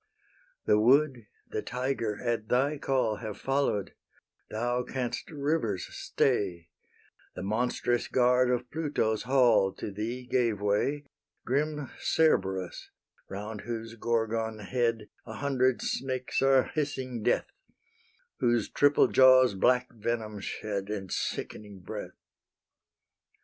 The wood, the tiger, at thy call Have follow'd: thou canst rivers stay: The monstrous guard of Pluto's hall To thee gave way, Grim Cerberus, round whose Gorgon head A hundred snakes are hissing death, Whose triple jaws black venom shed, And sickening breath.